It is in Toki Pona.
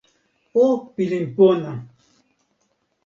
o pilin pona!